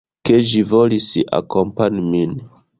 Ke ĝi volis akompani min.